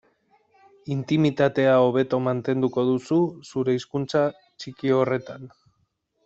Intimitatea hobeto mantenduko duzu zure hizkuntza txiki horretan.